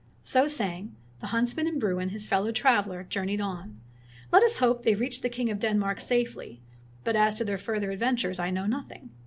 So saying, the huntsman and Bruin, his fellow traveler, journeyed on. Let us hope they reached the king of Denmark safely, but as to their further adventures I know nothing.